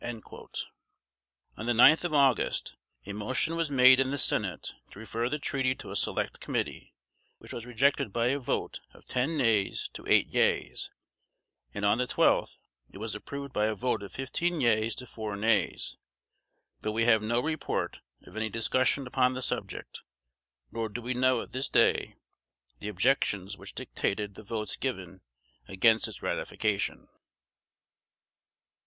On the ninth of August, a motion was made in the Senate to refer the treaty to a select committee, which was rejected by a vote of ten nays to eight yeas; and on the twelfth, it was approved by a vote of fifteen yeas to four nays; but we have no report of any discussion upon the subject, nor do we know at this day the objections which dictated the votes given against its ratification.